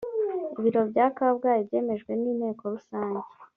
ibiro bya kabgayi byemejwe n’inteko rusange